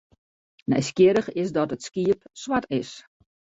Nijsgjirrich is dat it skiep swart is.